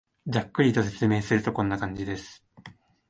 ざっくりと説明すると、こんな感じです